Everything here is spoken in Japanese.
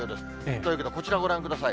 というわけでこちらをご覧ください。